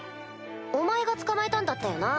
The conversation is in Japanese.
お前が捕まえたんだったよな？